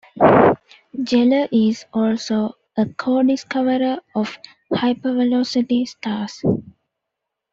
Geller is also a co-discoverer of hypervelocity stars.